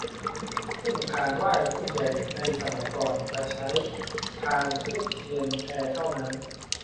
ซึ่งพานไหว้ผู้ใหญ่ในสมัยก่อนจะใช้พานธูปเทียนแพเท่านั้น